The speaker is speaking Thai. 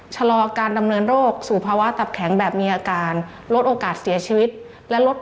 ชะลอการดำเนินโรคสุภาวะตับแข็งแบบมีอาการ